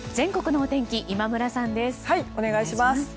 お願いします。